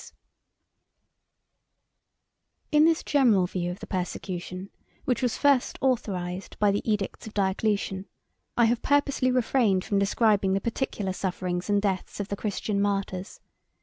] In this general view of the persecution, which was first authorized by the edicts of Diocletian, I have purposely refrained from describing the particular sufferings and deaths of the Christian martyrs.